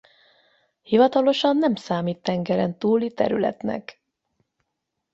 Hivatalosan nem számít tengeren túli területnek.